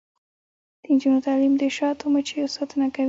د نجونو تعلیم د شاتو مچیو ساتنه هڅوي.